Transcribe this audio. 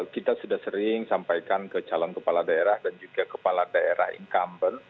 kita sudah sering sampaikan ke calon kepala daerah dan juga kepala daerah incumbent